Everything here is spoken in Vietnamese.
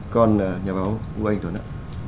con nhà báo úc anh tuấn ạ